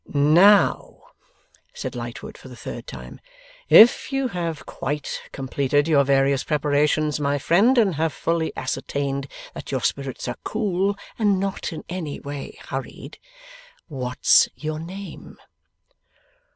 'Now,' said Lightwood, for the third time, 'if you have quite completed your various preparations, my friend, and have fully ascertained that your spirits are cool and not in any way hurried, what's your name?